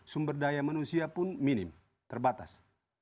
sumber daya manusia pun minim terbatas